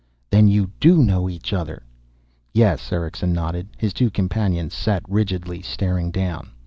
"Then you do know each other." "Yes." Erickson nodded. His two companions sat rigidly, staring down.